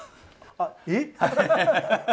あっえっ